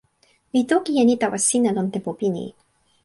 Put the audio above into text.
mi toki e ni tawa sina lon tenpo pini.